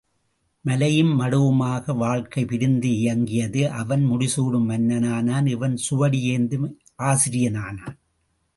மலையும் மடுவுமாக வாழ்க்கை பிரிந்து இயங்கியது அவன் முடிசூடும் மன்னன் ஆனான் இவன் சுவடி ஏந்தும் ஆசிரியன் ஆனான்.